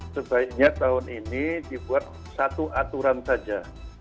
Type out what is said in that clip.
sebaiknya tahun ini dibuat satu aturan saja